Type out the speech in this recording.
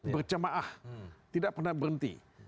berjemaah tidak pernah berhenti